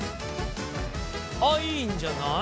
あっいいんじゃない。